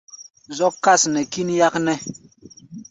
Zɔ́k kâs nɛ kín yáknɛ́.